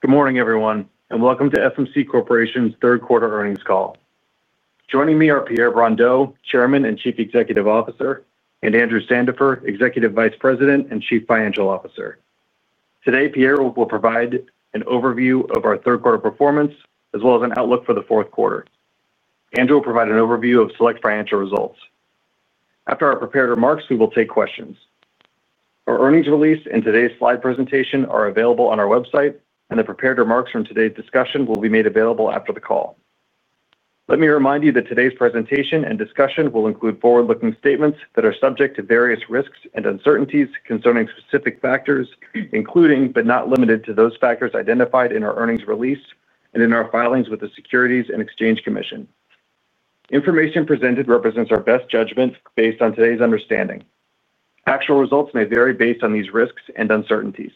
Good morning everyone and Welcome to FMC Corporation's third quarter earnings call. Joining me are Pierre Brondeau, Chairman and Chief Executive Officer, and Andrew Sandifer, Executive Vice President and Chief Financial Officer. Today, Pierre will provide an overview of our third quarter performance as well as an outlook for the fourth quarter. Andrew will provide an overview of select financial results. After our prepared remarks, we will take questions. Our earnings release and today's slide presentation are available on our website, and the prepared remarks from today's discussion will be made available after the call. Let me remind you that today's presentation and discussion will include forward-looking statements that are subject to various risks and uncertainties concerning specific factors, including but not limited to those factors identified in our earnings release and in our filings with the Securities and Exchange Commission. Information presented represents our best judgment based on today's understanding. Actual results may vary based on these risks and uncertainties.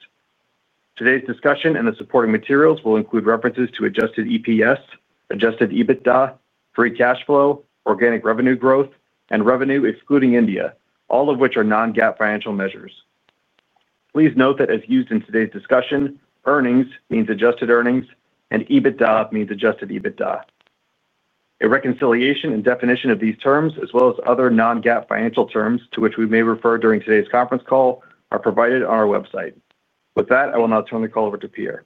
Today's discussion and the supporting materials will include references to adjusted EPS, adjusted EBITDA, free cash flow, organic revenue growth, and revenue excluding India, all of which are non-GAAP financial measures. Please note that as used in today's discussion, earnings means adjusted earnings and EBITDA means adjusted EBITDA. A reconciliation and definition of these terms as well as other non-GAAP financial terms to which we may refer during today's conference call are provided on our website. With that, I will now turn the call over to Pierre.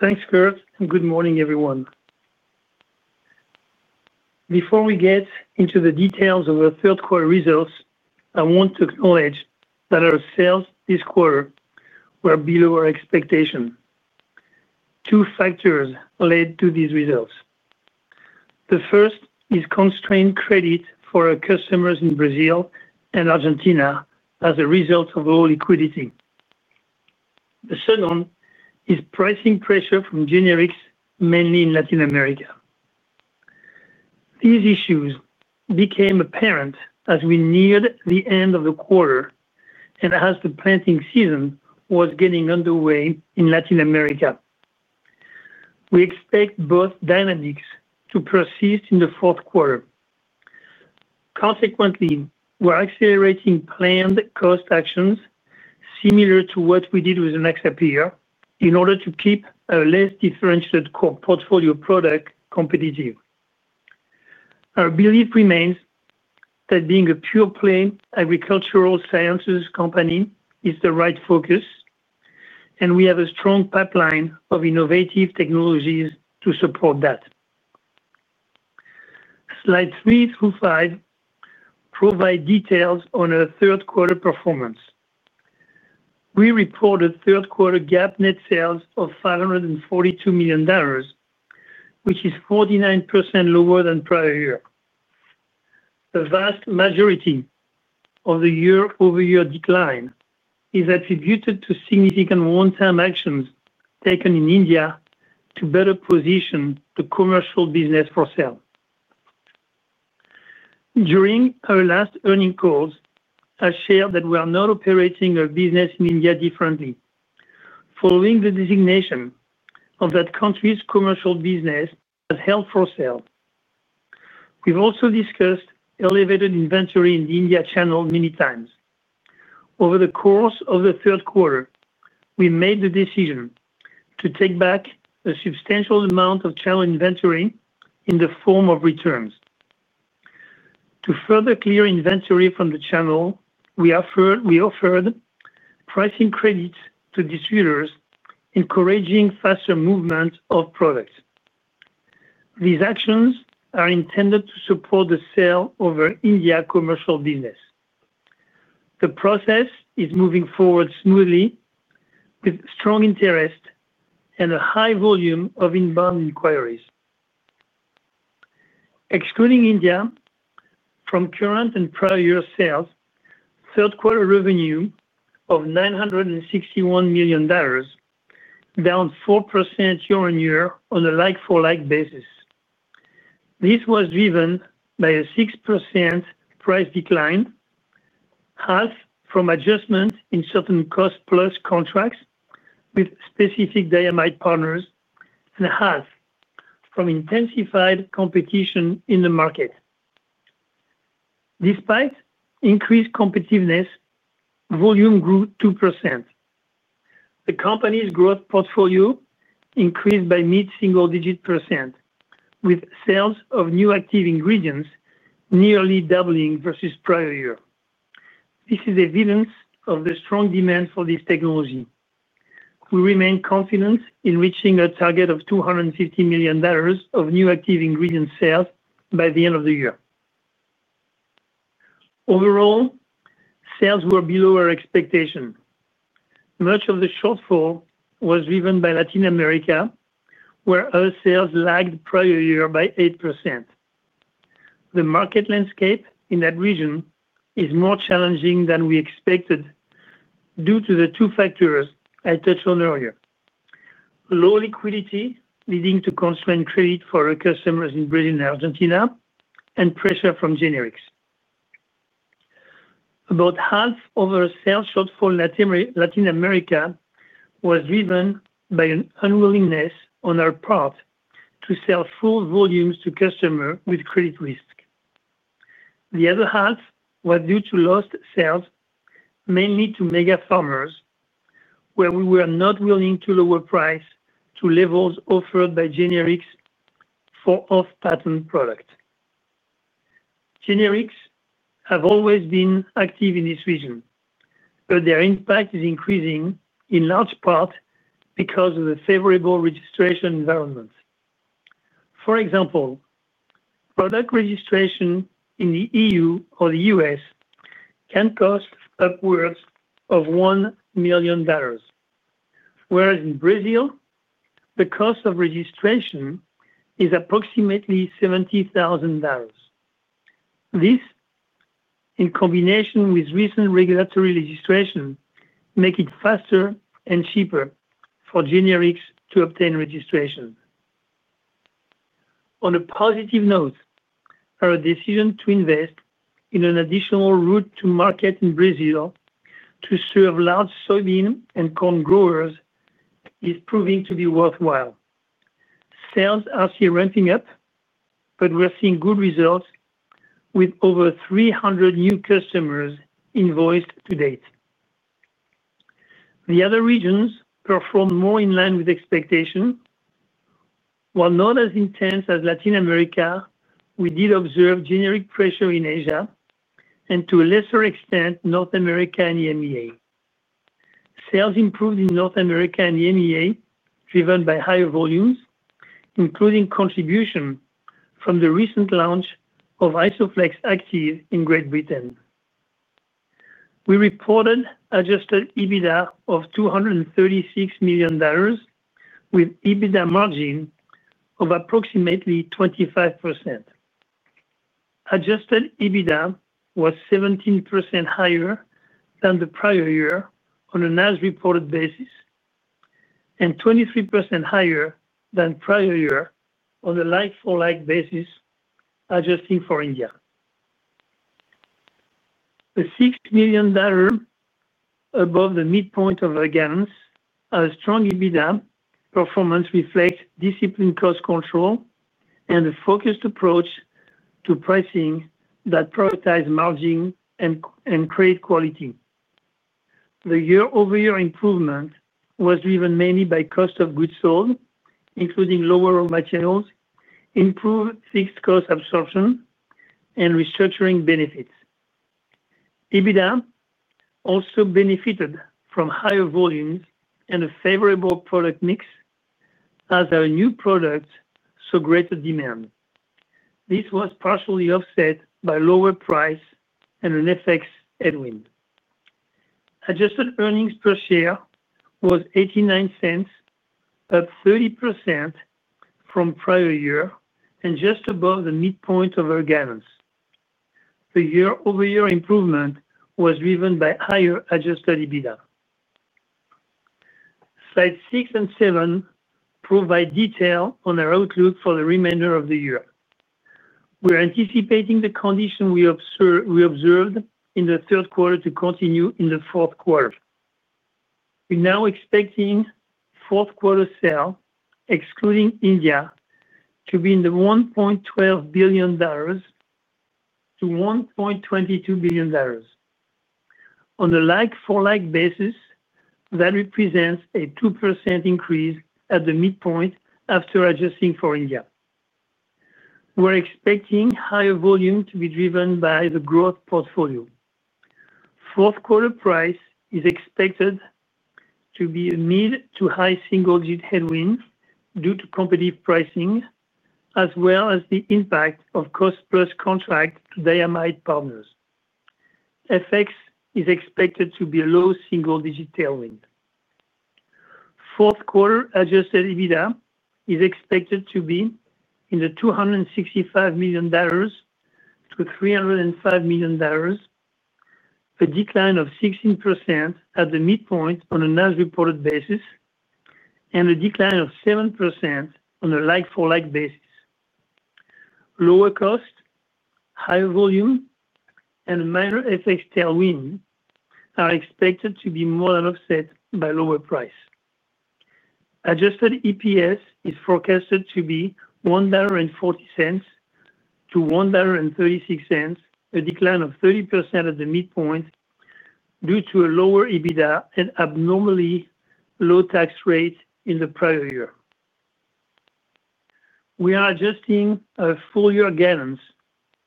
Thanks Curt and good morning everyone. Before we get into the details of our third quarter results, I want to acknowledge that our sales this quarter were below our expectation. Two factors led to these results. The first is constrained credit for our customers in Brazil and Argentina as a result of low liquidity. The second is pricing pressure from generics, mainly in Latin America. These issues became apparent as we neared the end of the quarter and as the planting season was getting underway in Latin America. We expect both dynamics to persist in the fourth quarter. Consequently, we're accelerating planned cost actions similar to what we did with [Nexapia] in order to keep a less differentiated portfolio product competitive. Our belief remains that being a pure play agricultural sciences company is the right focus and we have a strong pipeline of innovative technologies to support that. Slide three through five provide details on our third quarter performance. We reported third quarter GAAP net sales of $542 million, which is 49% lower than prior year. The vast majority of the year-over-year decline is attributed to significant long term actions taken in India to better position the commercial business for sale. During our last earnings calls I shared that we are not operating a business in India differently following the designation of that country's commercial business as held for sale. We've also discussed elevated inventory in the India channel many times. Over the course of the third quarter, we made the decision to take back a substantial amount of channel inventory in the form of returns. To further clear inventory from the channel, we offered pricing credits to distributors encouraging faster movement of products. These actions are intended to support the sale of our India commercial business. The process is moving forward smoothly with strong interest and a high volume of inbound inquiries. Excluding India from current and prior year sales, third quarter revenue of $961 million is down 4% year-on-year on a like-for-like basis. This was driven by a 6% price decline, half from adjustment in certain cost plus contracts with specific dynamite partners and half from intensified competition in the market. Despite increased competitiveness, volume grew 2%. The company's growth portfolio increased by mid single digit percent with sales of new active ingredients nearly doubling versus prior year. This is evidence of the strong demand for this technology. We remain confident in reaching a target of $250 million of new active ingredient sales by the end of the year. Overall sales were below our expectation. Much of the shortfall was driven by Latin America where our sales lagged prior year by 8%. The market landscape in that region is more challenging than we expected due to the two factors I touched on earlier: low liquidity leading to constrained trade for our customers in Brazil and Argentina, and pressure from generics. About half of our sales shortfall in Latin America was driven by an unwillingness on our part to sell full volumes to customers with credit risk. The other half was due to lost sales mainly to mega farmers where we were not willing to lower price to levels offered by generics for off-patent product. Generics have always been active in this region, but their impact is increasing in large part because of the favorable registration environment. For example, product registration in the EU or the U.S. can cost upwards of $1 million, whereas in Brazil the cost of registration is approximately $70,000. This, in combination with recent regulatory registration, makes it faster and cheaper for generics to obtain registration. On a positive note, our decision to invest in an additional route to market in Brazil to serve large soybean and corn growers is proving to be worthwhile. Sales are still ramping up, but we're seeing good results with over 300 new customers invoiced to date. The other regions performed more in line with expectation. While not as intense as Latin America, we did observe generic pressure in Asia and to a lesser extent North America and EMEA. Sales improved in North America and EMEA driven by higher volumes, including contribution from the recent launch of Isoflex™ active in Great Britain. We reported adjusted EBITDA of $236 million with EBITDA margin of approximately 25%. Adjusted EBITDA was 17% higher than the prior year on an as reported basis and 23% higher than prior year on a like-for-like basis. Adjusting for India, a $6 million above the midpoint of against a strong EBITDA performance reflects disciplined cost control and a focused approach to pricing that prioritize margin and credit quality. The year-over-year improvement was driven mainly by cost of goods sold, including lower raw materials, improved fixed cost absorption, and restructuring benefits. EBITDA also benefited from higher volumes and a favorable product mix as our new products saw greater demand. This was partially offset by lower price and an FX headwind. Adjusted EPS was $0.89, up 30% from prior year and just above the midpoint of our guidance. The year-over-year improvement was driven by higher adjusted EBITDA. Slide six and seven provide detail on our outlook for the remainder of the year. We are anticipating the condition we observed in the third quarter to continue in the fourth quarter. We're now expecting fourth quarter sales excluding India to be in the $1.12 billion-$1.22 billion range on a like-for-like basis. That represents a 2% increase at the midpoint after adjusting for India. We're expecting higher volume to be driven by the growth portfolio. Fourth quarter price is expected to be a mid to high single-digit headwind due to competitive pricing as well as the impact of cost-plus contracts to Dynamite Partners. FX is expected to be a low single-digit tailwind. Fourth quarter adjusted EBITDA is expected to be in the $265 million-$305 million range, a decline of 16% at the midpoint on an as-reported basis and a decline of 7% on a like-for-like basis. Lower cost, higher volume, and minor FX tailwind are expected to be more than offset by lower price. Adjusted EPS is forecasted to be $1.40-$1.36, a decline of 30% at the midpoint due to a lower EBITDA and abnormally low tax rate in the prior year. We are adjusting our full year guidance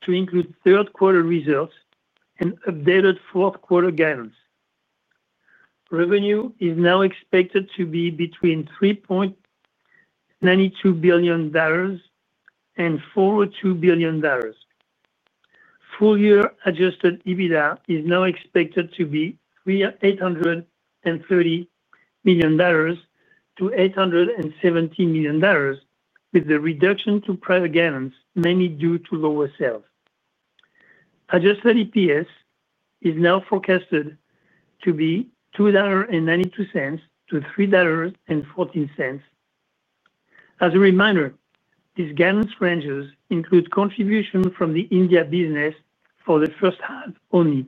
to include third quarter results and updated fourth quarter guidance. Revenue is now expected to be between $3.92 billion and $4.02 billion. Full year adjusted EBITDA is now expected to be $830 million-$870 million, with the reduction to prior guidance mainly due to lower sales. Adjusted EPS is now forecasted to be $2.92-$3.14. As a reminder, these guidance ranges include contributions from the India business for the first half only.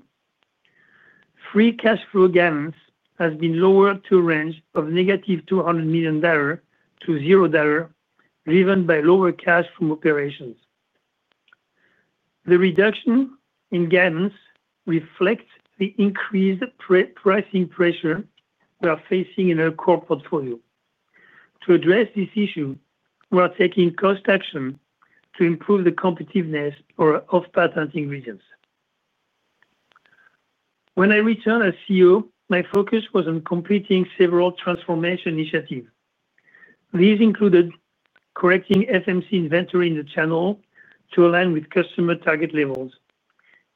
Free cash flow guidance has been lowered to a range of -$200 million to $0, driven by lower cash from operations. The reduction in guidance reflects the increased pricing pressure we are facing in our core portfolio. To address this issue, we are taking cost action to improve the cost competitiveness of patent ingredients. When I returned as CEO, my focus was on completing several transformation initiatives. These included correcting FMC inventory in the channel to align with customer target levels,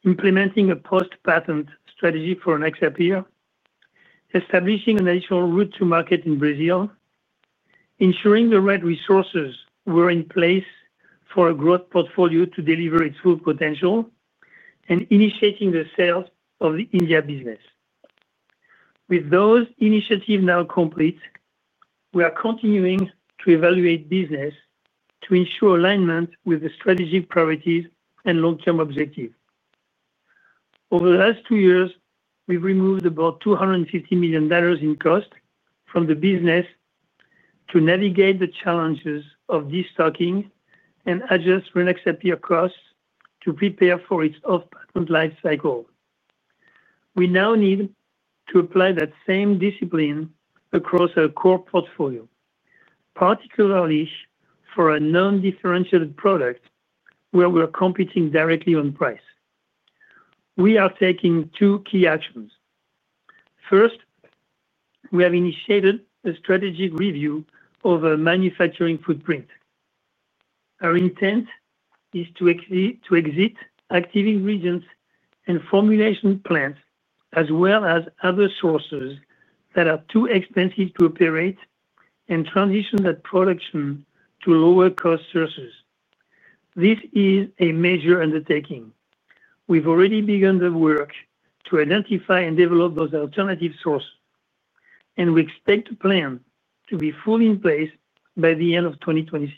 implementing a post-patent strategy for an [EXA peer], establishing a natural route to market in Brazil, ensuring the right resources were in place for a growth portfolio to deliver its full potential, and initiating the sales of the India business. With those initiatives now complete, we are continuing to evaluate business to ensure alignment with the strategic priorities and long-term objectives. Over the last two years we've removed about $250 million in cost from the business to navigate the challenges of destocking and adjust fluindapyr costs to prepare for its off-patent lifecycle. We now need to apply that same discipline across our core portfolio. Particularly for a non-differentiated product where we are competing directly on price, we are taking two key actions. First, we have initiated a strategic review of our manufacturing footprint. Our intent is to exit active ingredients and formulation plants as well as other sources that are too expensive to operate and transition that production to lower-cost sources. This is a major undertaking. We've already begun the work to identify and develop those alternative sources, and we expect the plan to be fully in place by the end of 2026.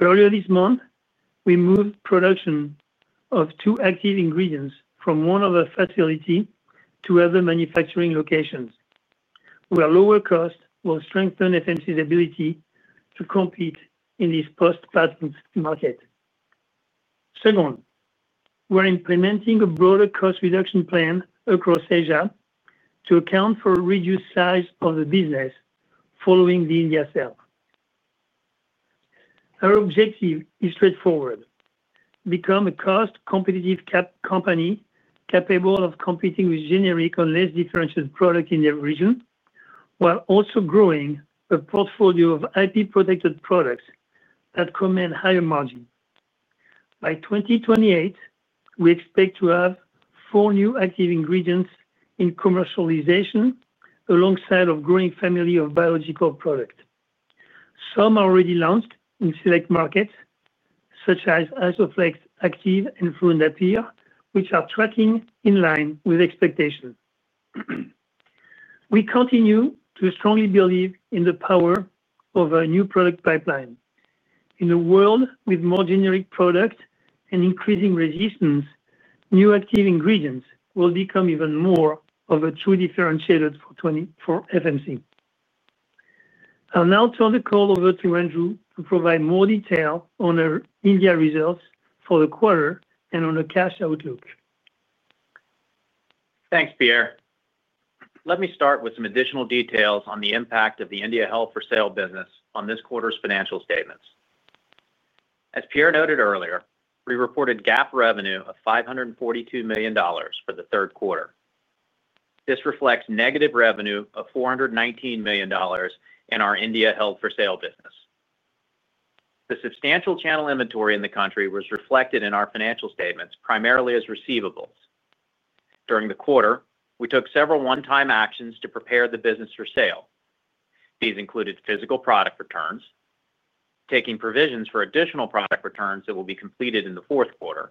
Earlier this month we moved production of two active ingredients from one of our facilities to other manufacturing locations where lower cost will strengthen FMC's ability to compete in this post-patent market. Second, we're implementing a broader cost reduction plan across Asia to account for reduced size of the business following the India sale. Our objective is straightforward: become a cost-competitive company capable of competing with generic or less differentiated product in their region while also growing a portfolio of IP-protected products that command higher margin. By 2028 we expect to have four new active ingredients in commercialization alongside a growing family of biological products. Some are already launched in select markets such as Isoflex™ active and fluindapyr, which are tracking in line with expectations. We continue to strongly believe in the power of a new product pipeline in a world with more generic product and increasing resistance. New active ingredients will become even more of a true differentiator for FMC. I'll now turn the call over to Andrew to provide more detail on our India results for the quarter and on the cash outlook. Thanks, Pierre. Let me start with some additional details on the impact of the India held for sale business on this quarter's financial statements. As Pierre noted earlier, we reported GAAP revenue of $542 million for the third quarter. This reflects negative revenue of $419 million in our India held for sale business. The substantial channel inventory in the country was reflected in our financial statements primarily as receivables. During the quarter, we took several one-time actions to prepare the business for sale. These included physical product returns, taking provisions for additional product returns that will be completed in the fourth quarter,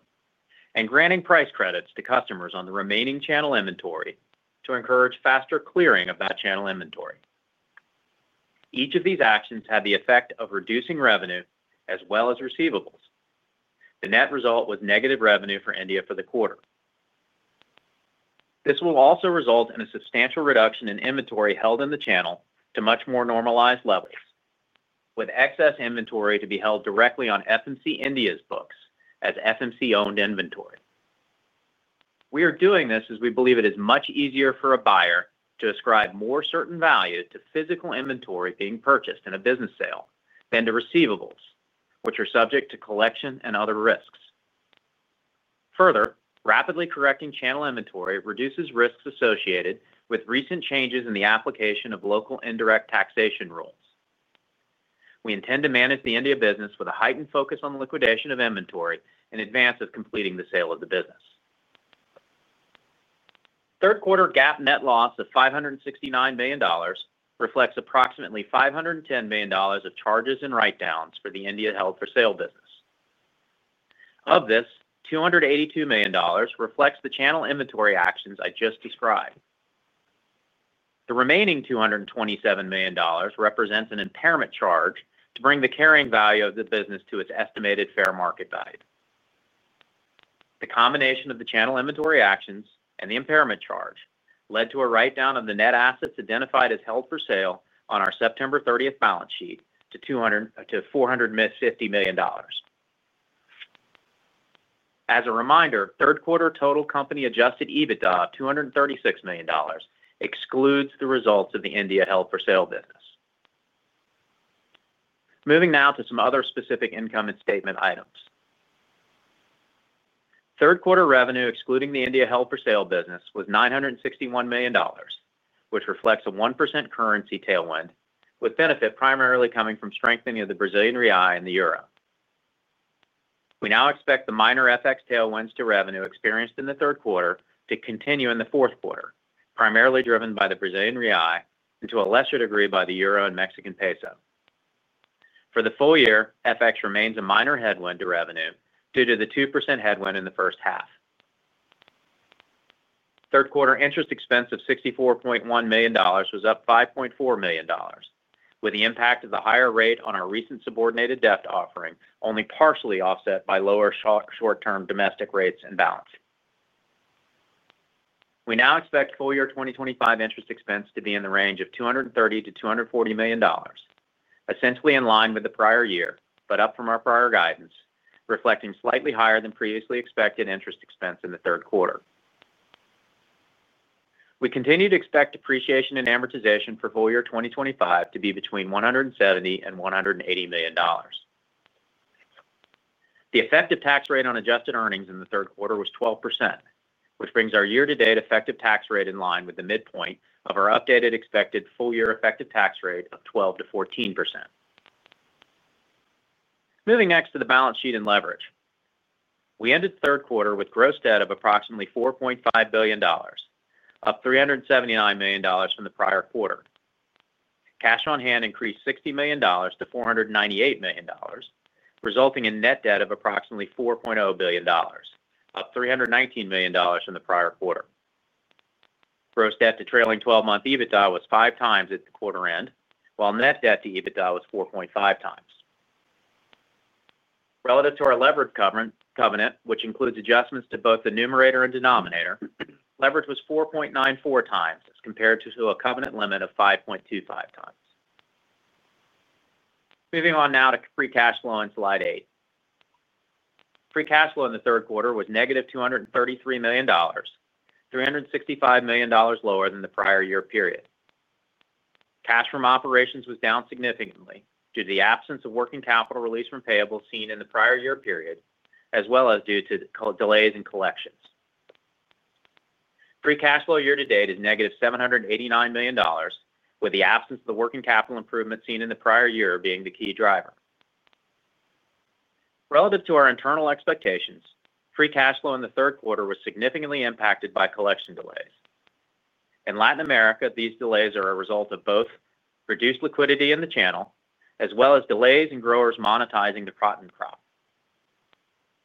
and granting price credits to customers on the remaining channel inventory to encourage faster clearing of that channel inventory. Each of these actions had the effect of reducing revenue as well as receivables. The net result was negative revenue for India for the quarter. This will also result in a substantial reduction in inventory held in the channel to much more normalized levels, with excess inventory to be held directly on FMC India's books as FMC owned inventory. We are doing this as we believe it is much easier for a buyer to ascribe more certain value to physical inventory being purchased in a business sale than to receivables, which are subject to collection and other risks. Further, rapidly correcting channel inventory reduces risks associated with recent changes in the application of local indirect taxation rules. We intend to manage the India business with a heightened focus on liquidation of inventory in advance of completing the sale of the business. Third quarter GAAP net loss of $569 million reflects approximately $510 million of charges and write-downs for the India held for sale business. Of this, $282 million reflects the channel inventory actions I just described. The remaining $227 million represents an impairment charge to bring the carrying value of the business to its estimated fair market value. The combination of the channel inventory actions and the impairment charge led to a write-down of the net assets identified as held for sale on our September 30th balance sheet to $450 million. As a reminder, third quarter total company adjusted EBITDA of $236 million excludes the results of the India Held for Sale business. Moving now to some other specific income and statement items, third quarter revenue excluding the India held for sale business was $961 million, which reflects a 1% currency tailwind with benefit primarily coming from strengthening of the Brazilian real and the euro. We now expect the minor FX tailwinds to revenue experienced in the third quarter to continue in the fourth quarter, primarily driven by the Brazilian real and to a lesser degree by the euro and Mexican peso for the full year. FX remains a minor headwind to revenue due to the 2% headwind in the first half. Third quarter interest expense of $64.1 million was up $5.4 million, with the impact of the higher rate on our recent subordinated debt offering only partially offset by lower short-term domestic rates and balance. We now expect full year 2025 interest expense to be in the range of $230 million-$240 million, essentially in line with the prior year but up from our prior guidance reflecting slightly higher than previously expected interest expense in the third quarter. We continue to expect depreciation and amortization for full year 2025 to be between $170 and $180 million. The effective tax rate on adjusted earnings in the third quarter was 12%, which brings our year-to-date effective tax rate in line with the midpoint of our updated expected full year effective tax rate of 12%-14%. Moving next to the balance sheet and leverage, we ended third quarter with gross debt of approximately $4.5 billion, up $379 million from the prior quarter. Cash on hand increased $60 million to $498 million, resulting in net debt of approximately $4.0 billion, up $319 million from the prior quarter. Gross debt to trailing twelve month EBITDA was 5x at the quarter end, while net debt to EBITDA was 4.5x relative to our leverage covenant, which includes adjustments to both the numerator and denominator. Leverage was 4.94x as compared to a covenant limit of 5.25x. Moving on now to free cash flow on slide eight. Free cash flow in the third quarter was -$233 million, $365 million lower than the prior year period. Cash from operations was down significantly due to the absence of working capital release from payables seen in the prior year period as well as due to delays in collections. Free cash flow year-to-date is negative $789 million, with the absence of the working capital improvement seen in the prior year being the key driver relative to our internal expectations. Free cash flow in the third quarter was significantly impacted by collection delays in Latin America. These delays are a result of both reduced liquidity in the channel as well as delays in growers monetizing the cotton crop.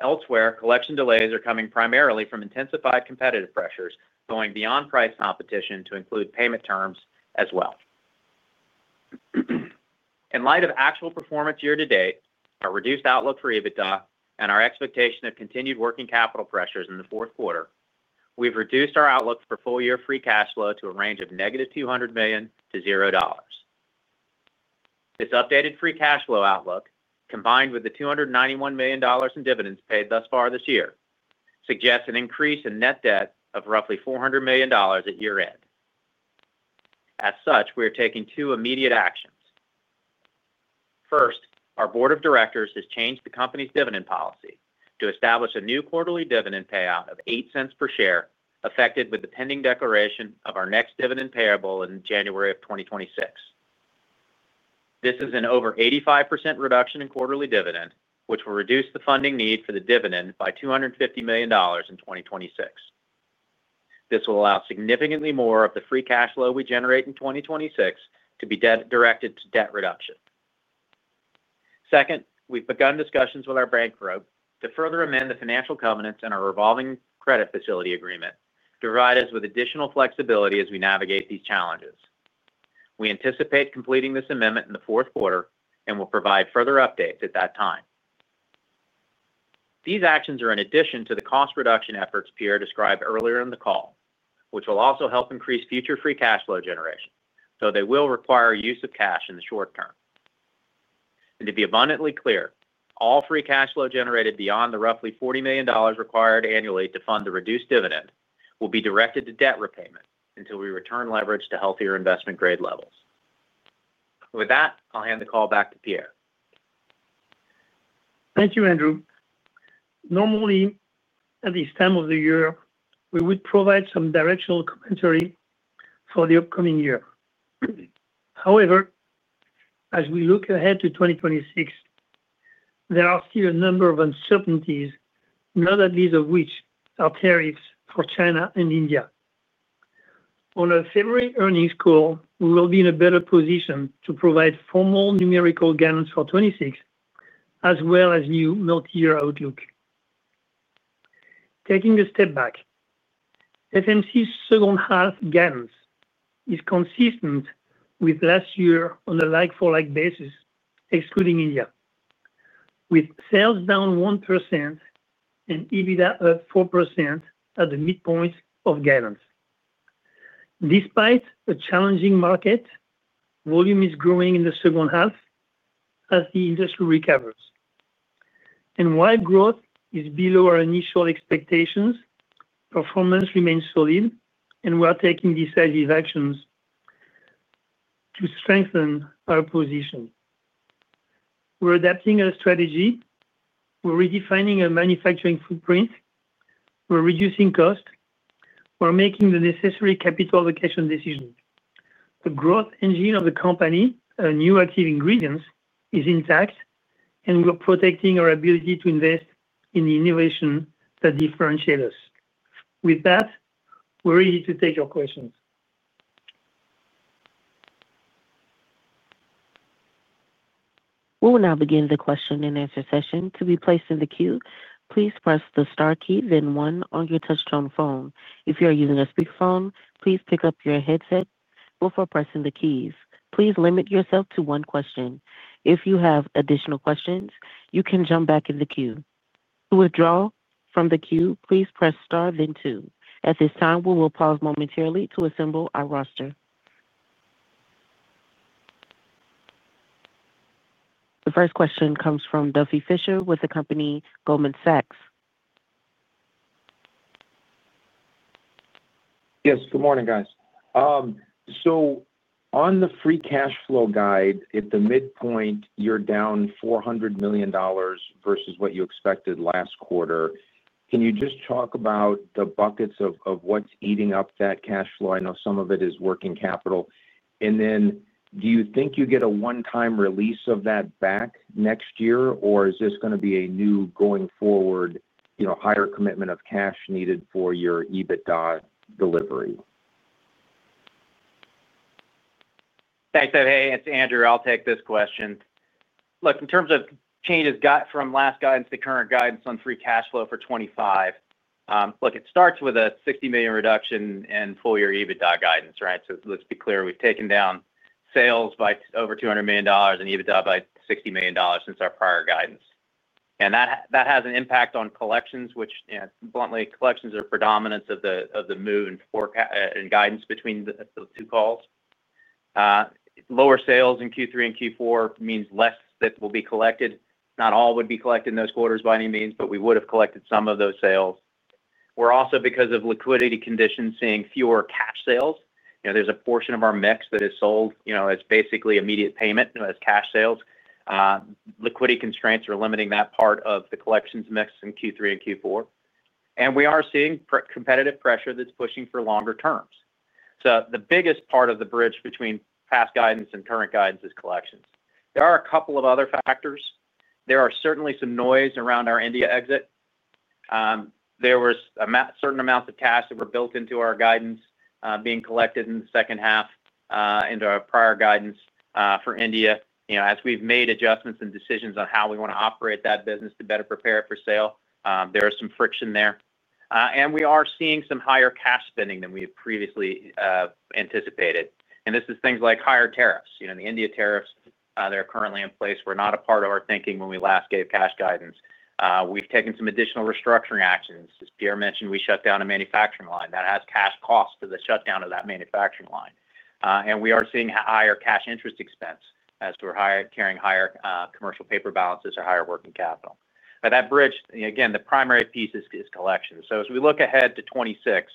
Elsewhere, collection delays are coming primarily from intensified competitive pressures going beyond price competition to include payment terms as well. In light of actual performance year-to-date, our reduced outlook for EBITDA and our expectation of continued working capital pressures in the fourth quarter, we've reduced our outlook for full year free cash flow to a range of -$200 million-$0. This updated free cash flow outlook, combined with the $291 million in dividends paid thus far this year, suggests an increase in net debt of roughly $400 million at year end. As such, we are taking two immediate actions. First, our board of directors has changed the Company's dividend policy to establish a new quarterly dividend payout of $0.08 per share, effective with the pending declaration of our next dividend payable in January of 2026. This is an over 85% reduction in quarterly dividend which will reduce the funding need for the dividend by $250 million in 2026. This will allow significantly more of the free cash flow we generate in 2026 to be directed to debt reduction. Second, we've begun discussions with our bank group to further amend the financial covenants and our revolving credit facility agreement to provide us with additional flexibility as we navigate these challenges. We anticipate completing this amendment in the fourth quarter and will provide further updates at that time. These actions are in addition to the cost reduction efforts Pierre described earlier in the call, which will also help increase future free cash flow generation. They will require use of cash in the short term. To be abundantly clear, all free cash flow generated beyond the roughly $40 million required annually to fund the reduced dividend will be directed to debt repayment until we return leverage to healthier investment grade levels. With that, I'll hand the call back to Pierre. Thank you, Andrew. Normally at this time of the year we would provide some directional commentary for the upcoming year. However, as we look ahead to 2026, there are still a number of uncertainties, not at least of which are tariffs for China and India. On a February earnings call, we will be in a better position to provide formal numerical gains for 2026 as well as new multi-year outlook. Taking a step back, FMC's second half guidance is consistent with last year on a like-for-like basis, excluding India with sales down 1% and EBITDA up 4% at the midpoint of guidance. Despite a challenging market, volume is growing in the second half as the industry recovers and while growth is below our initial expectations, performance remains solid and we are taking decisive actions to strengthen our position. We're adapting a strategy, we're redefining a manufacturing footprint, we're reducing cost, we're making the necessary capital allocation decision. The growth engine of the company, new active ingredients, is intact and we are protecting our ability to invest in the innovation that differentiate us. With that, we're ready to take your questions. We will now begin the question and answer session. To be placed in the queue, please press the star key then one on your touchtone phone. If you are using a speakerphone, please pick up your headset before pressing the keys. Please limit yourself to one question. If you have additional questions, you can jump back in the queue. To withdraw from the queue, please press star, then two. At this time, we will pause momentarily to assemble our roster. The first question comes from Duffy Fischer with the company Goldman Sachs. Yes, good morning, guys. On the free cash flow guide. At the midpoint, you're down $400 million versus what you expected last quarter. Can you just talk about the buckets of what's eating up that cash flow? I know some of it is working capital, and then do you think you get a one-time release of that back next year, or is this going?. To be a new going forward, you know, higher commitment of cash needed for your EBITDA delivery? Thanks. Hey, it's Andrew. I'll take this question. Look, in terms of changes from last guidance to current guidance on free cash flow for 2025, it starts with a $60 million reduction in full year EBITDA guidance, right? Let's be clear. We've taken down sales by over $200 million and EBITDA by $60 million since our prior guidance, and that has an impact on collections, which, bluntly, collections are predominance of the forecast and guidance between the two calls. Lower sales in Q3 and Q4 means less that will be collected. Not all would be collected in those quarters by any means, but we would have collected some of those sales. We're also, because of liquidity conditions, seeing fewer cash sales. There's a portion of our mix that is sold as basically immediate payment as cash sales. Liquidity constraints are limiting that part of the collections mix in Q3 and Q4. We are seeing competitive pressure that's pushing for longer terms. The biggest part of the bridge between past guidance and current guidance is collections. There are a couple of other factors. There is certainly some noise around our India exit. There were certain amounts of cash that were built into our guidance being collected in the second half into our prior guidance for India. As we've made adjustments and decisions on how we want to operate that business to better prepare for sale, there is some friction there, and we are seeing some higher cash spending than we previously anticipated. This is things like higher tariffs. The India tariffs that are currently in place were not a part of our thinking when we last gave cash guidance. We've taken some additional restructuring actions. As Pierre mentioned, we shut down a manufacturing line that has cash cost to the shutdown of that manufacturing line. We are seeing higher cash interest expense as we're carrying higher commercial paper balances or higher working capital. That bridge, again, the primary piece is collection. As we look ahead to 2026,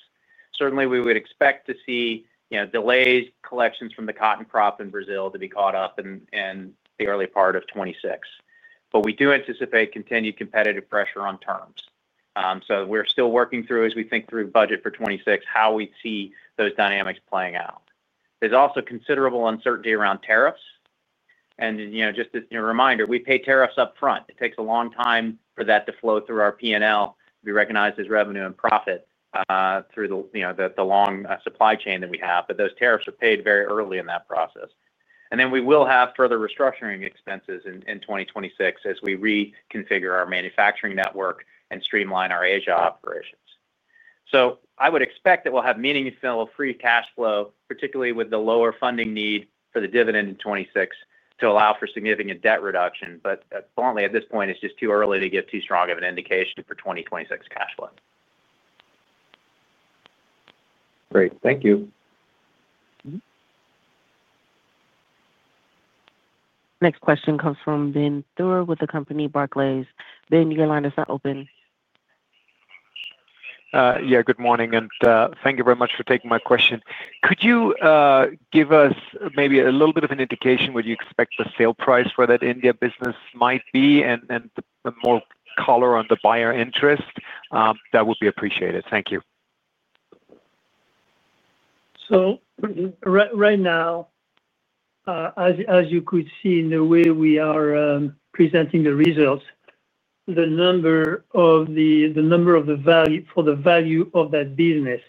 certainly we would expect to see delays, collections from the cotton crop in Brazil to be caught up in the early part of 2026. We do anticipate continued competitive pressure on terms. We're still working through, as we think through budget for 2026, how we see those dynamics playing out. There's also considerable uncertainty around tariffs. Just as a reminder, we pay tariffs up front. It takes a long time for that to flow through our P&L to be recognized as revenue and profit through the long supply chain that we have. Those tariffs are paid very early in that process. We will have further restructuring expenses in 2026 as we reconfigure our manufacturing network and streamline our Asia operations. I would expect that we'll have meaningful free cash flow, particularly with the lower funding need for the dividend in 2026 to allow for significant debt reduction. At this point, it's just too early to give too strong of an indication for 2026 cash flow. Great, thank you. Next question comes from [Ben Thure] with the company Barclays. [Ben], your line is not. Yeah, good morning and thank you very much for taking my question. Could you give us maybe a little bit of an indication what you expect the sale price for that India business might be, and more color on the buyer interest? That would be appreciated. Thank you. Right now, as you could see in the way we are presenting the results, the value of that business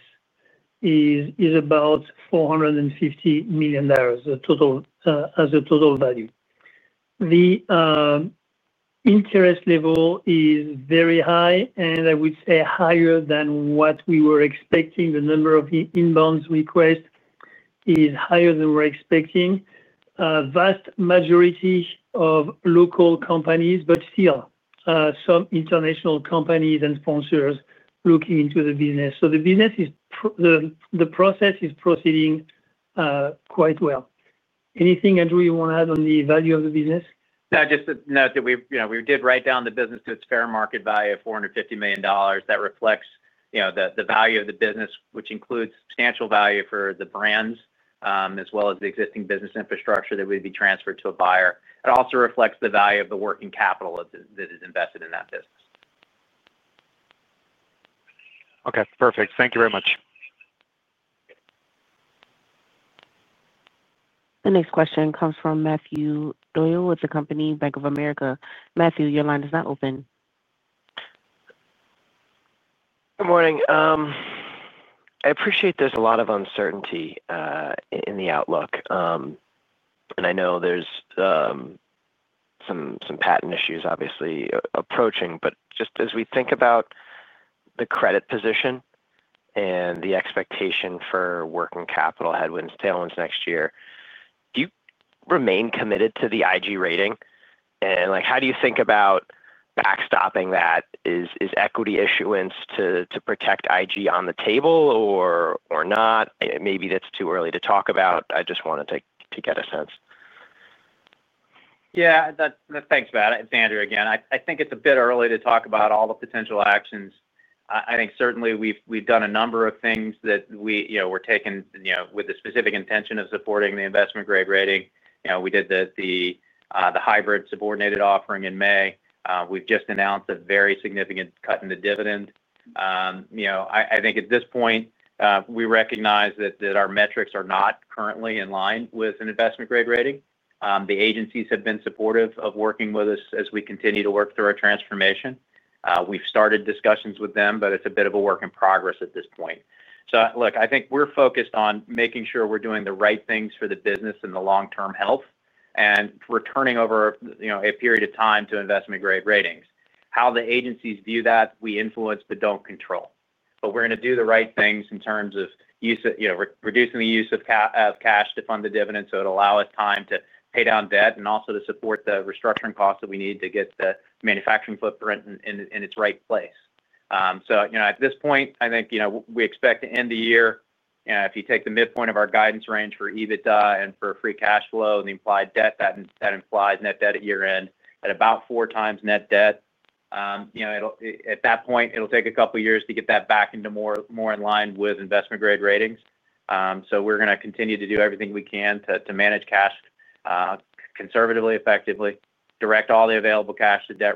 is about $450 million as a total value. The interest level is very high, and I would say higher than what we were expecting. The number of inbounds request is higher than we're expecting. Vast majority of local companies, but still some international companies and sponsors looking into the business. The process is proceeding quite well. Anything, Andrew, you want to add on the value of the business? Just note that we did write down the business to its fair market value of $450 million. That reflects the value of the business, which includes substantial value for the brands as well as the existing business infrastructure that would be transferred to a buyer. It also reflects the value of the working capital that is invested in that business. Okay, perfect. Thank you very much. The next question comes from Matthew DeYoe with the company Bank of America. Matthew, your line is now open. Good morning. I appreciate there's a lot of uncertainty. In the outlook, I know there's some patent issues obviously approaching, just as we think about the. Credit position and the expectation for working capital, headwinds, tailwinds next year, do you remain committed to the IG rating and how do you think about backstopping that? Is equity issuance to protect IG on the table or not? Maybe that's too early to talk about. I just wanted to get a sense. Yeah, thanks Matt. It's Andrew again. I think it's a bit early to talk about all the potential actions. Certainly, we've done a number of things that were taken with the specific intention of supporting the investment grade rating. We did the hybrid subordinated offering in May. We've just announced a very significant cut in the dividend. At this point, we recognize that our metrics are not currently in line with an investment grade rating. The agencies have been supportive of working with us as we continue to work through our transformation. We've started discussions with them, but it's a bit of a work in progress at this point. I think we're focused on making sure we're doing the right things for the business and the long-term health and returning over a period of time to investment grade ratings. How the agencies view that we influence but don't control, but we're going to do the right things in terms of reducing the use of cash to fund the dividend. It'll allow us time to pay down debt and also to support the restructuring costs that we need to get the manufacturing footprint in its right place. At this point, I think we expect to end the year if you take the midpoint of our guidance range for EBITDA and for free cash flow and the implied debt, that implies net debt at year end at about four times net debt. At that point, it'll take a couple years to get that back into more in line with investment grade ratings. We're going to continue to do everything we can to manage cash conservatively, effectively, direct all the available cash to debt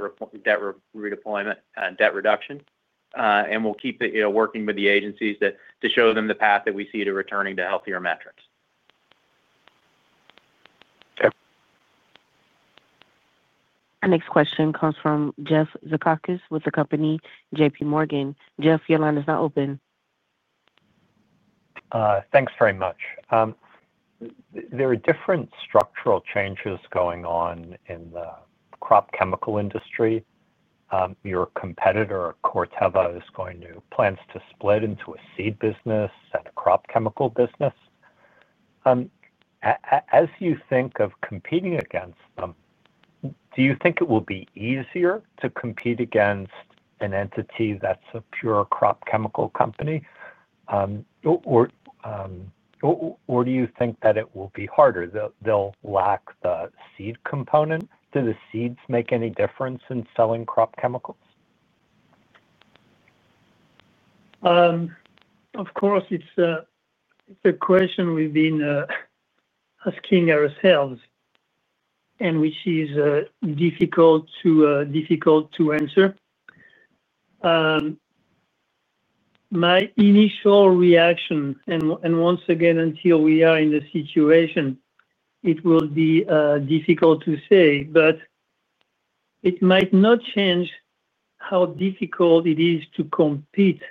redeployment and debt reduction, and we'll keep working with the agencies to show them the path that we see to returning to healthier metrics. Our next question comes from Jeff Zekauskas with the company JPMorgan. Jeff, your line is now open. Thanks very much. There are different structural changes going on. In the crop chemical industry, your competitor Corteva is going to plans. To split into a seed business and crop chemical business. As you think of competing against them. Do you think it will be easier? To compete against an entity that's a pure crop chemical company, or do you think that it will be harder? Pure crop chemical company, or do you think that it will be harder? They'll lack the seed component? Do the seeds make any difference in selling crop chemicals? Of course. It's a question we've been asking ourselves and which is difficult to answer. My initial reaction, and once again, until we are in the situation, it will be difficult to say, but it might not change how difficult it is to compete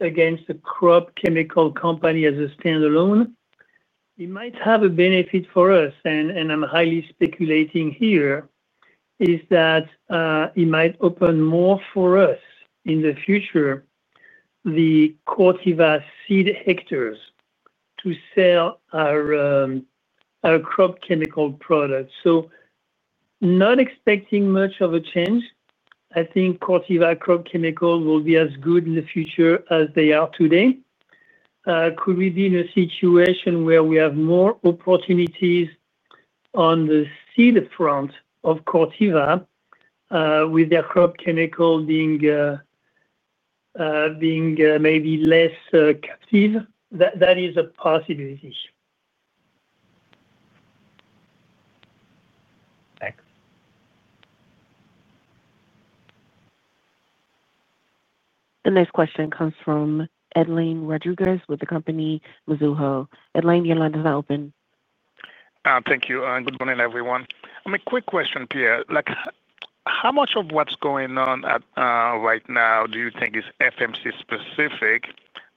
against a crop chemical company as a standalone. It might have a benefit for us, and I'm highly speculating here, is that it might open more for us in the future. The Corteva seed hectares to sell our crop chemical products. Not expecting much of a change. I think Corteva crop chemicals will be as good in the future as they are today. Could we be in a situation where we have more opportunities on the seed front of Corteva with their crop chemical being maybe less captive? That is a possibility. Thanks. The next question comes from Edlain Rodriguez with company Mizuho. Edlain, your line is now open. Thank you. Good morning everyone. Quick question, Pierre. How much of what's going on right now do you think is FMC specific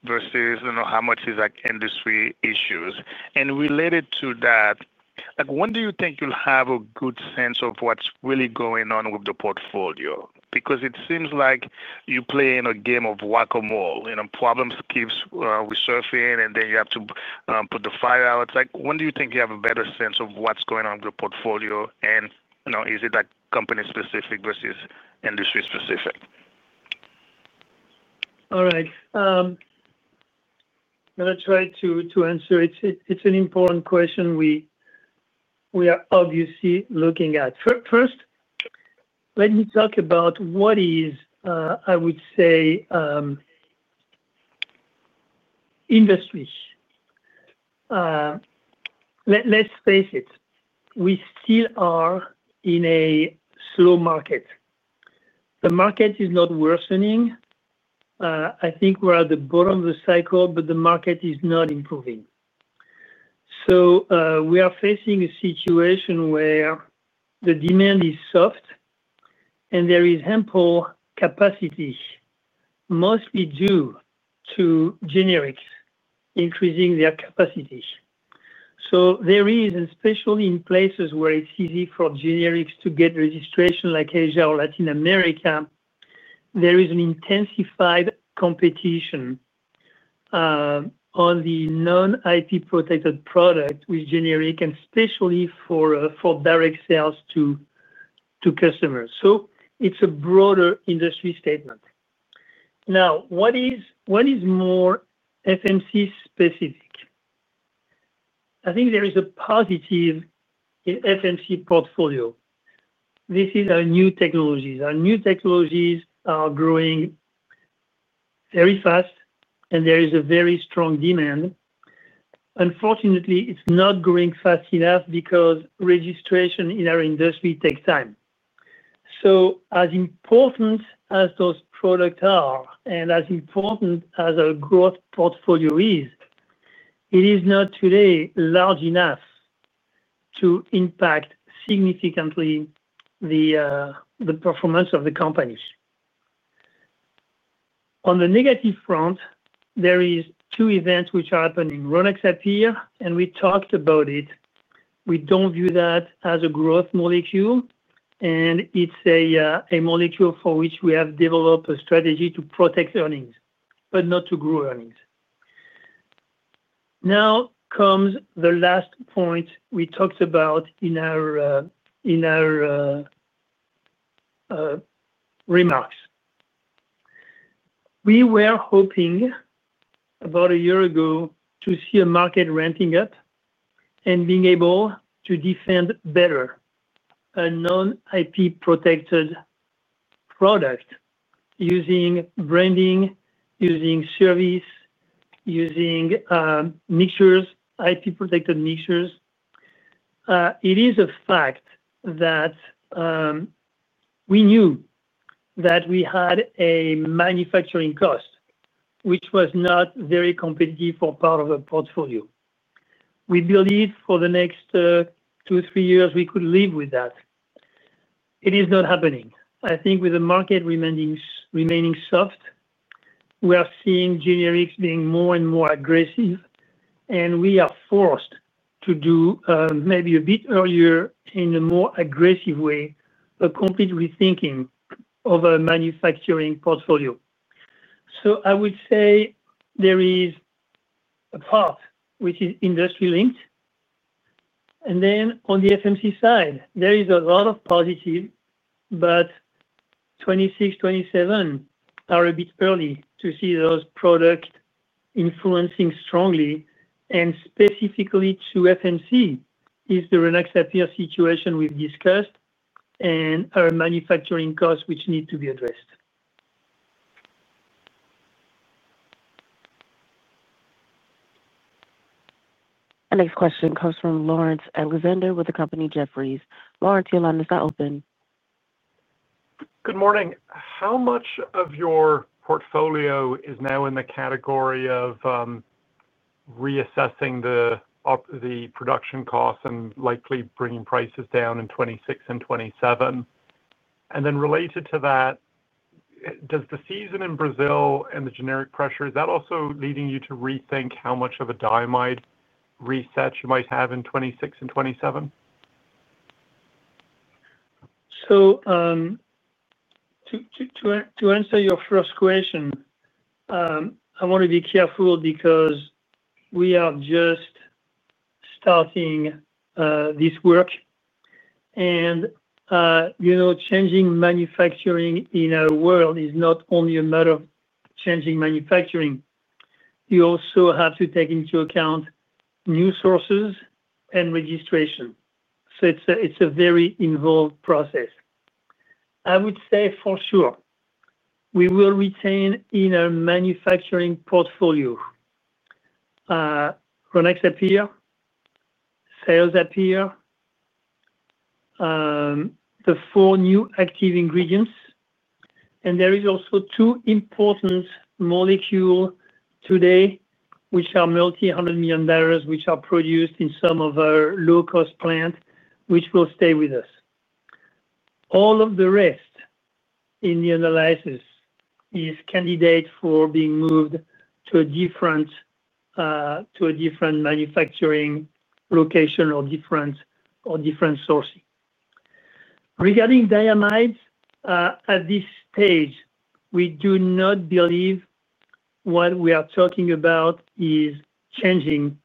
versus how much is industry issues, and related to that, when do you think you'll have a good sense of what's really going on with the portfolio? It seems like you play in a game of whack a mole, problems keep resurfacing and then you have to put the fire out. When do you think you have a better sense of what's going on with the portfolio, and is it company specific versus industry specific? All right, I'm going to try to answer it. It's an important question we are obviously looking at. First, let me talk about what is, I would say, industry. Let's face it, we still are in a slow market. The market is not worsening. I think we're at the bottom of the cycle, but the market is not improving. We are facing a situation where the demand is soft and there is ample capacity, mostly due to generics increasing their capacity. There is, especially in places where it's easy for generics to get registration, like Asia or Latin America, an intensified competition on the non-IP-protected product with generic and especially for direct sales to customers. It's a broader industry statement. Now, what is more FMC specific, I think there is a positive FMC portfolio. This is our new technologies. Our new technologies are growing very fast and there is a very strong demand. Unfortunately, it's not growing fast enough because registration in our industry takes time. As important as those products are and as important as a growth portfolio is, it is not today large enough to impact significantly the performance of the companies. On the negative front, there are two events which are h`appening. Rynaxypyr, and we talked about it. We don't view that as a growth molecule and it's a molecule for which we have developed a strategy to protect earnings but not to grow earnings. Now comes the last point we talked about in our remarks. We were hoping about a year ago to see a market renting it and being able to defend better a non-IP-protected product using branding, using service, using mixtures, IP-protected mixtures. It is a fact that we knew that we had a manufacturing cost which was not very competitive for part of a portfolio. We believed for the next two, three years we could live with that. It is not happening. I think with the market remaining soft, we are seeing generics being more and more aggressive and we are forced to do maybe a bit earlier in a more aggressive way, a complete rethinking of a manufacturing portfolio. I would say there is a part which is industry linked and then on the FMC side there is a lot of positive but 2026, 2027 are a bit early to see those products influencing strongly and specifically to FMC is the Rynaxypyr, situation we've discussed and our manufacturing costs which need to be addressed. Our next question comes from Laurence Alexander with the company Jefferies. Lawrence, your line is not open. Good morning. How much of your portfolio is now in the category of reassessing the production costs and likely bringing prices down in 2026 and 2027, and then related to that, does the season in Brazil and the generic pressure, is that also leading you to rethink how much of a dynamic reset you might have in 2026 and 2027? To answer your first question I want. To be careful because we are just starting this work and, you know, changing manufacturing in our world is not only a matter of changing manufacturing. You also have to take into account new sources and registration. It's a very involved process. I would say for sure we will retain in our manufacturing portfolio Rynaxypyr, sales appear, the four new active ingredients. There are also two important molecules today which are multi hundred million barrels, which are produced in some of our low cost plant, which will stay with us. All of the rest in the analysis is candidate for being moved to a different manufacturing location or different sourcing. Regarding diamides, at this stage we do not believe what we are talking about is changing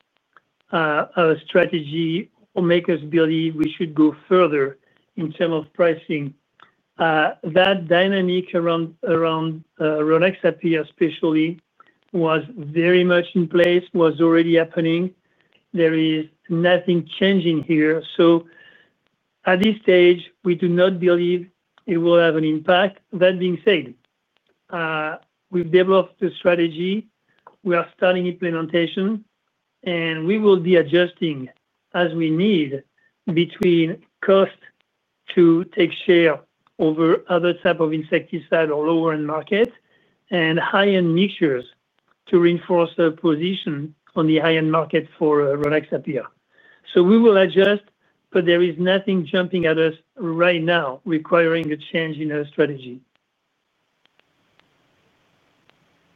our strategy will make us believe we should go further in terms of pricing. That dynamic around, around Rynaxypyr especially was very much in place, was already happening. There is nothing changing here. At this stage we do not believe it will have an impact. That being said, we've developed a strategy, we are starting implementation and we will be adjusting as we need between cost to take share over other type of insecticide or lower end market and high end mixtures to reinforce a position on the high end market for Ronaxapyr. We will adjust but there is nothing jumping at us right now requiring a change in our strategy.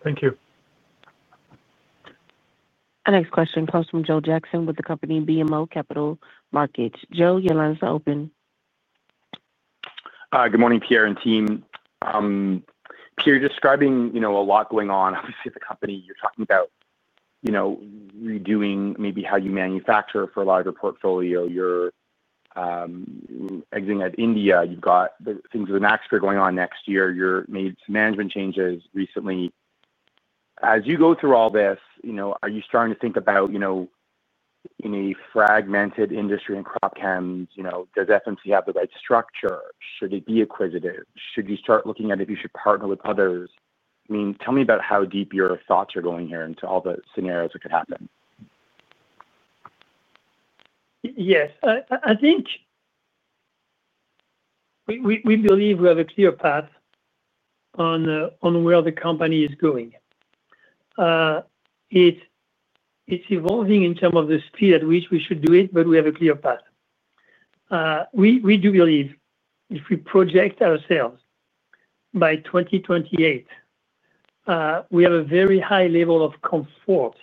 Thank you. Our next question comes from Joel Jackson with the company BMO Capital Markets. Joel, your line is open. Good morning, Pierre and team. Pierre, describing, you know, a lot going on obviously at the company. You're talking about, you know, redoing maybe. How you manufacture for a larger portfolio. Exiting out India, you've got things with [Naksur] going on next year. You made some management changes recently as you go through all this. Are you starting to think about, in a fragmented industry in crop chems, does FMC have the right structure? Should it be acquisitive? Should you start looking at if you. Should partner with others? Tell me about how deep. Your thoughts are going here into all the scenarios that could happen. Yes, I think we believe we have a clear path on where the company is going. It's evolving in terms of the speed at which we should do it, but we have a clear path. We do believe if we project ourselves by 2028, we have a very high level of comfort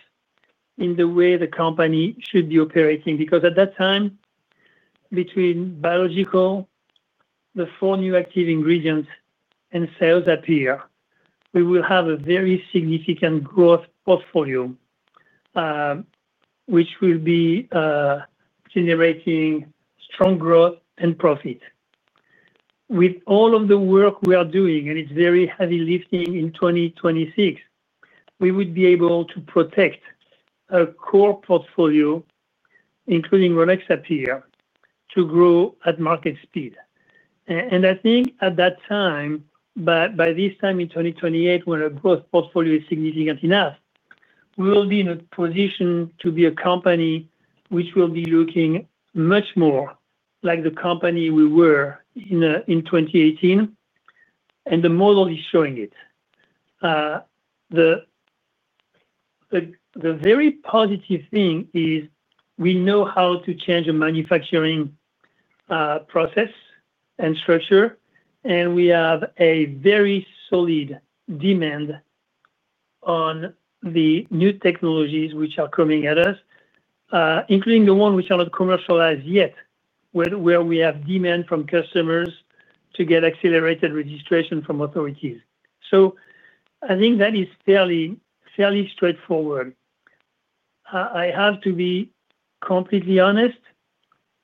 in the way the company should be operating. At that time, between biological, the four new active ingredients, and sales appear, we will have a very significant growth portfolio which will be generating strong growth and profit with all of the work we are doing, and it's very heavy lifting. In 2026, we would be able to protect a core portfolio, including Isoflex™ active, to grow at market speed. I think at that time, by this time in 2028, when a growth portfolio is significant enough, we will be in a position to be a company which will be looking much more like the company we were in 2018. The model is showing it. The very positive thing is we know how to change a manufacturing process and structure, and we have a very solid demand on the new technologies which are coming at us, including the ones which are not commercialized yet, where we have demand from customers to get accelerated registration from authorities. I think that is fairly, fairly straightforward. I have to be completely honest.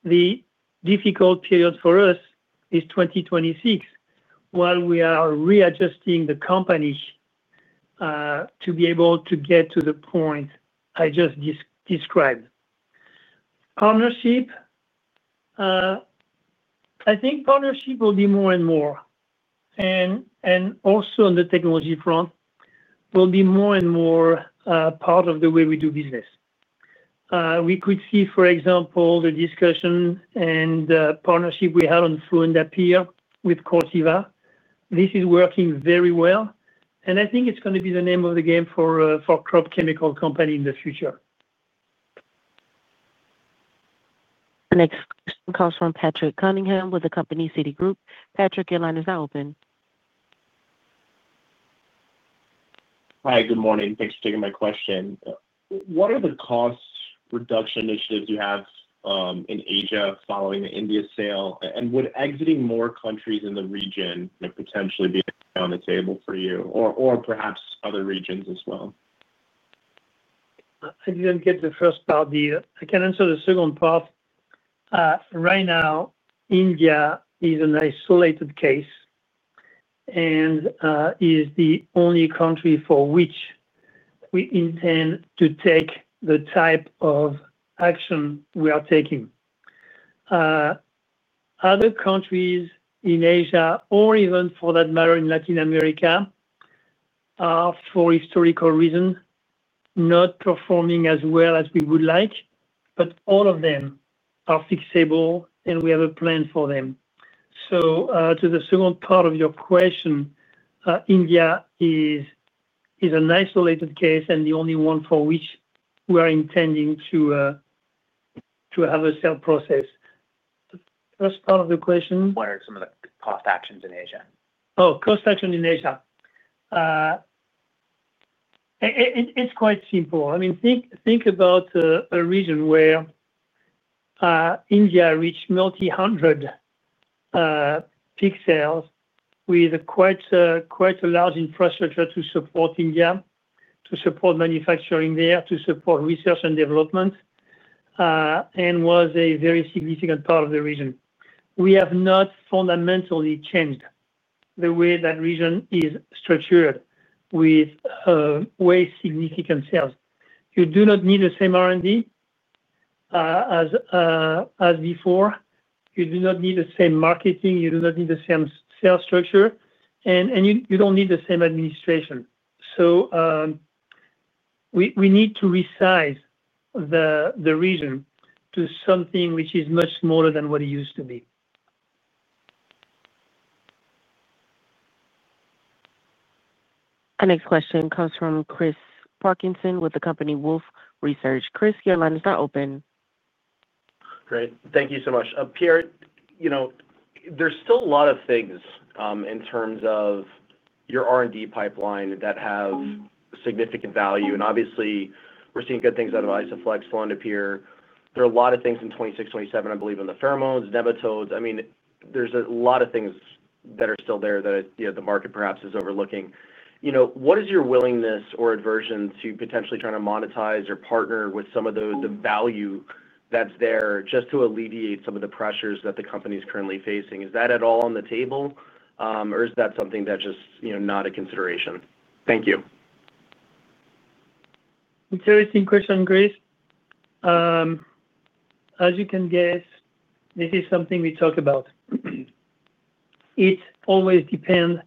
The difficult period for us is 2026 while we are readjusting the company to be able to get to the point I just described, partnership. I think partnership will be more and more, and also on the technology front will be more and more part of the way we do business. We could see, for example, the discussion and partnership we had on fluindapyr with Corteva. This is working very well, and I think it's going to be the name of the game for crop chemical company in the future. Next comes from Patrick Cunningham with the company Citigroup. Patrick, your line is now open. Hi, good morning. Thanks for taking my question. What are the cost reduction initiatives you have in Asia following the India sale? Would exiting more countries in the region potentially be on the table for you or perhaps other regions as well? I can answer the second part right now. India is an isolated case and is the only country for which we intend to take the type of action we are taking. Other countries in Asia or even for that matter in Latin America are for historical reason not performing as well as we would like. All of them are fixable and we have a plan for them. To the second part of your question, India is an isolated case and the only one for which we are intending to have a sale process. First part of the question, What are some of the cost actions in Asia? Oh, cost action in Asia. It's quite simple. I mean, think about a region where India reached multi hundred pixels with quite, quite a large infrastructure to support India, to support manufacturing there, to support research and development, and was a very significant part of the region. We have not fundamentally changed the way that region is structured. With way significant sales, you do not need the same R&D as before. You do not need the same marketing, you do not need the same sales structure, and you don't need the same administration. We need to resize the region to something which is much smaller than what it used to be. Our next question comes from Chris Parkinson with the company Wolfe Research. Chris, your line is now open. Great. Thank you so much, Pierre. You know, there's still a lot of things in terms of your R&D. R&D pipeline that have significant value. Obviously we're seeing good things out of Isoflex, Pierre. There are a lot of things in. 26, 27, I believe, in the pheromones, nematodes. I mean, there's a lot of things that are still there that the market perhaps is overlooking. What is your willingness or aversion to potentially trying to monetize or. Partner with some of the best value. That's there just to alleviate some of it. The pressures that the company is currently facing, is that at all on the table? Is that something that just, you know, not a consideration? Thank you. Interesting question, Chris. As you can guess, this is something we talk about. It always depends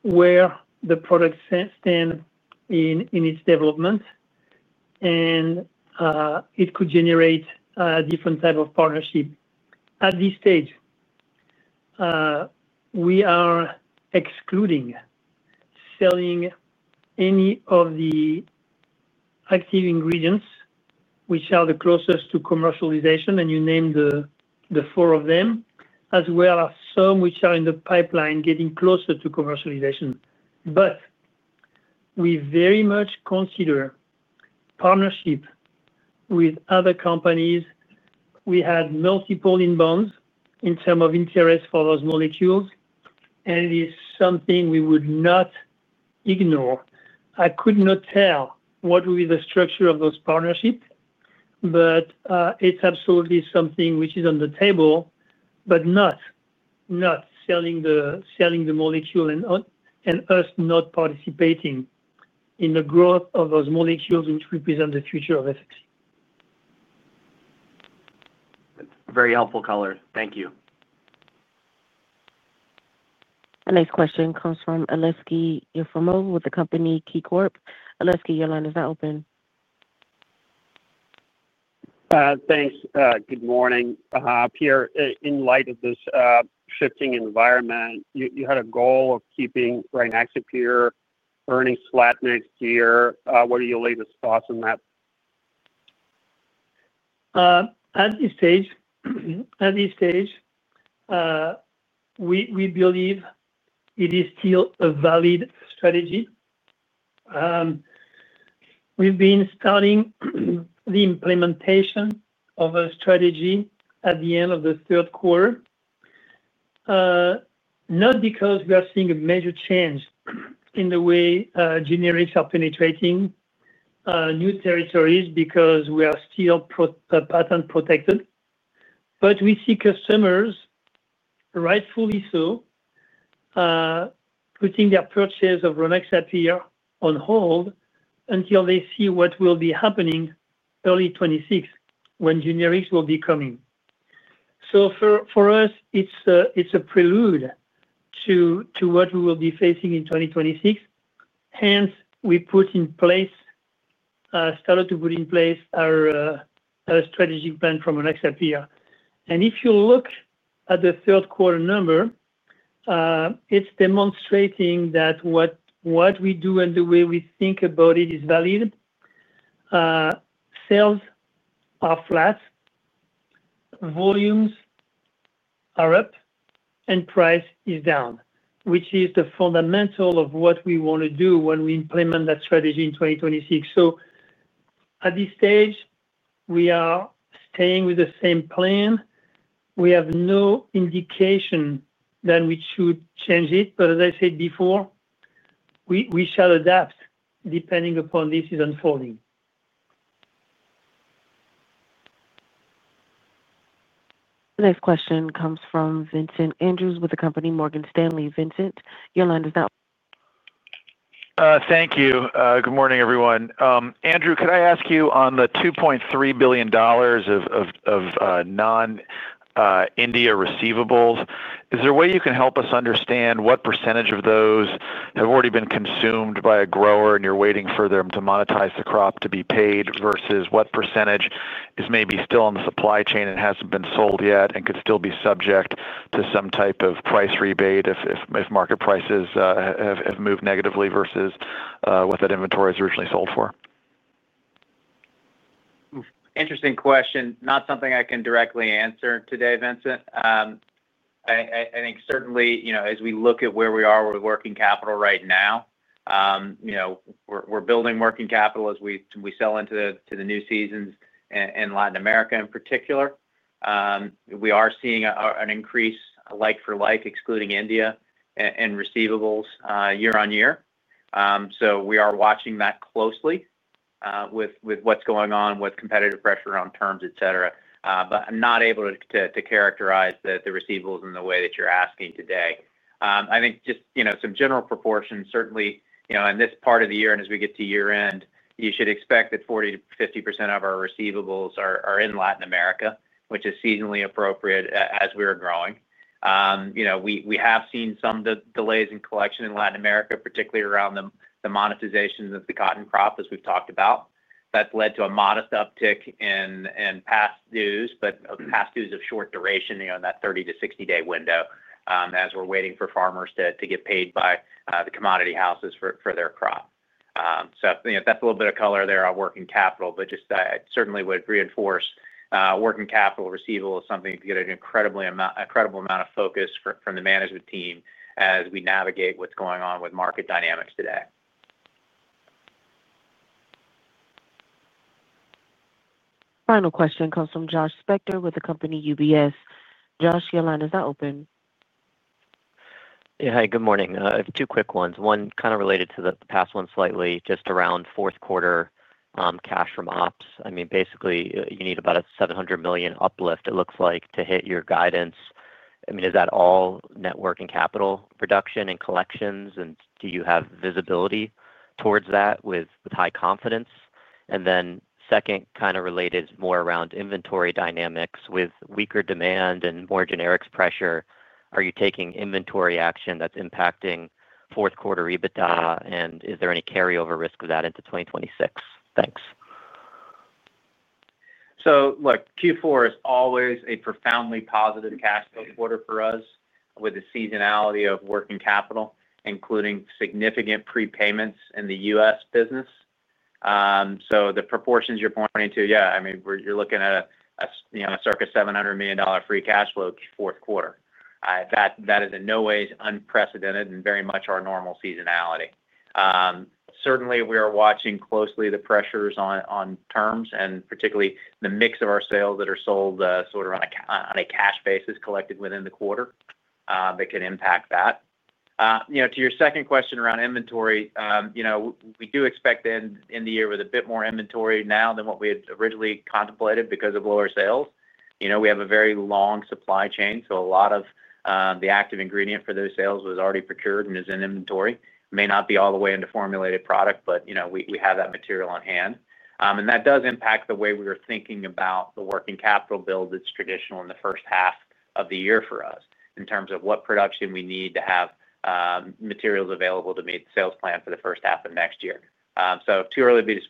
where the product stands in its development and it could generate different types of partnership. At this stage, we are excluding selling any of the active ingredients which are the closest to commercialization, and you name the four of them as well as some which are in the pipeline getting closer to commercialization. We very much consider partnership with other companies. We had multiple inbounds in terms of interest for those molecules and it is something we would not ignore. I could not tell what would be the structure of those partnerships, but it's absolutely something which is on the table, not selling the molecule and us not participating in the growth of those molecules which represent the future of FMC. Very helpful color. Thank you. The next question comes from Aleksey Yefremov with the company KeyCorp. Aleksey, your line is not open. Thanks. Good morning, Pierre. In light of this shifting environment, you had a goal of keeping earnings flat next year. What are your latest thoughts on that At this stage? At this stage, we believe it is still a valid strategy. We've been starting the implementation of a strategy at the end of the third quarter, not because we are seeing a major change in the way generics are penetrating new territories, because we are still patent protected, but we see customers, rightfully so, putting their purchase of Isoflex on hold until they see what will be happening early 2026 when generics will be coming. For us, it's a prelude to what we will be facing in 2026. Hence, we put in place, started to put in place, our strategic plan for Isoflex. If you look at the third quarter number, it's demonstrating that what we do and the way we think about it is valid. Sales are flat, volumes are up, and price is down, which is the fundamental of what we want to do when we implement that strategy in 2026. At this stage, we are staying with the same plan. We have no indication that we should change it. As I said before, we shall adapt depending upon how this is unfolding. The next question comes from Vincent Andrews with company Morgan Stanley. Vincent, your line does not. Thank you. Good morning everyone. Andrew, could I ask you on the $2.3 billion of non-India receivables, is there a way you can help us understand what percentage of those have already been consumed by a grower and you're waiting for them to monetize the crop to be paid versus what percentage is maybe still on the supply chain and hasn't been sold yet and could still be subject to some type of price rebate if market prices have moved negatively versus what that inventory was originally sold for? Interesting question, not something I can directly answer today, Vincent. I think certainly, you know, as we look at where we are with working capital right now, we're building working capital as we sell into the new seasons in Latin America in particular. We are seeing an increase like-for-like excluding India and receivables year-on-year. We are watching that closely with what's going on with competitive pressure on terms, etc. I'm not able to characterize the receivables in the way that you're asking today. I think just, you know, some general proportions certainly, you know, in this part of the year and as we get to year end you should expect that 40% -50% of our receivables are in Latin America, which is seasonally appropriate as we are growing. We have seen some delays in collection in Latin America, particularly around the monetization of the cotton crop. As we've talked about, that's led to a modest uptick in past dues, but past dues of short duration in that 30 day-60 day window as we're waiting for farmers to get paid by the commodity houses for their crop. That's a little bit of color. There are working capital, but just certainly would reinforce working capital. Receivable is something to get an incredible amount of focus from the management team as we navigate what's going on with market dynamics today. Final question comes from Josh Spector with the company UBS. Josh, your line is now open. Yeah, hi, good morning. I have two quick ones. One kind of related to the past, one lightly just around fourth quarter cash from Ops. Basically, you need about a $700 million uplift it looks like to hit your guidance. Is that all working capital reduction and collections, and do you have visibility towards that with high confidence? Second, kind of related more around inventory dynamics with weaker demand and more generics pressure, are you taking inventory action that's impacting fourth quarter EBITDA, and is there any carryover risk of that into 2026? Thanks. Q4 is always a profoundly positive cash flow quarter for us with the seasonality of working capital including significant prepayments in the U.S. business. The proportions you're pointing to, yeah, I mean you're looking at a circa $700 million free cash flow fourth quarter that is in no way unprecedented and very much our normal seasonality. Certainly we are watching closely the pressures on terms and particularly the mix of our sales that are sold sort of on a cash basis collected within the quarter that can impact that. To your second question around inventory, we do expect to end the year with a bit more inventory now than what we had originally contemplated because of lower sales. We have a very long supply chain. A lot of the active ingredient for those sales was already procured and is in inventory. It may not be all the way into formulated product but we have that material on hand and that does impact the way we are thinking about the working capital build that's traditional in the first half of the year for us in terms of production. We need to have materials available to meet the sales plan for the first half of next year. It's too early to be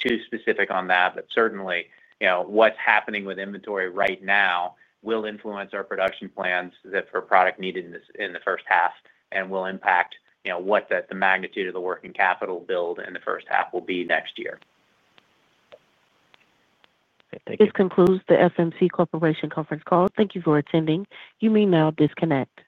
too specific on that, but certainly, what's happening with inventory right now will influence our production plans for product needed in the first half and will impact what the magnitude of the working capital build in the first half will be next year. This concludes the FMC Corporation conference call. Thank you for attending. You may now disconnect.